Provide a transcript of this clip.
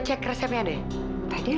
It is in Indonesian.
terus ini untuk apa